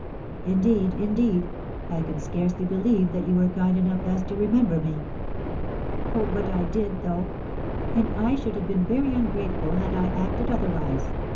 "Indeed, indeed, I can scarcely believe that you were kind enough thus to remember me." "Oh, but I did, though; and I should have been very ungrateful had I acted otherwise.